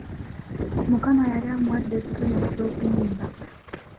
Mukama yali amuwadde ekitone eky'okuyimba!